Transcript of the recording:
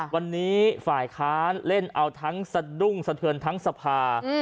วันนี้ฝ่ายค้านเล่นเอาทั้งสะดุ้งสะเทือนทั้งสภา